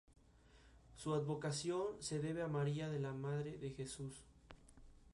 Tú eres más rey que yo: eres rey de ti mismo.